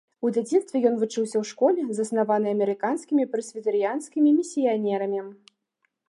У дзяцінстве ён вучыўся ў школе, заснаванай амерыканскімі прэсвітарыянскімі місіянерамі.